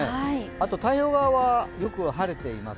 太平洋側はよく晴れています。